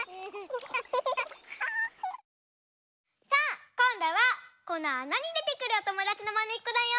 さあこんどはこのあなにでてくるおともだちのまねっこだよ！